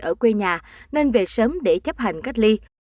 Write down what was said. ở quê nhà nên về sớm để chấp hành cách ly